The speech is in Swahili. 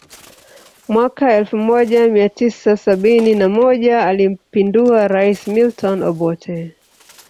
Mwaka elfu moja Mia tisa sabini na moja alimpindua rais Milton Obote